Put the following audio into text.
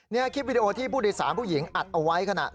นี่คลิปวิดีโอที่ผู้โดยสารผู้หญิงอัดเอาไว้ขณะ